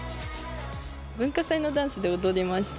文化祭のダンスで踊りました。